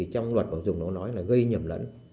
trong luật bảo dùng nó nói là gây nhầm lẫn